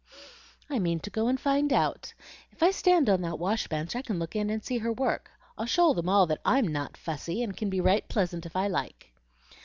"I mean to go and find out. If I stand on that wash bench I can look in and see her work. I'll show them all that I'm NOT 'fussy,' and can be 'right pleasant' if I like."